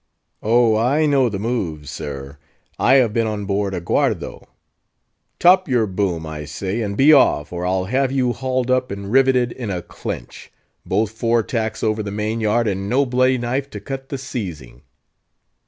"Oh, I know the moves, sir; I have been on board a guardo. Top your boom, I say, and be off, or I'll have you hauled up and riveted in a clinch—both fore tacks over the main yard, and no bloody knife to cut the seizing.